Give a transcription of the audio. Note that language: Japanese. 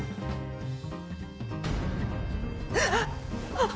あっ！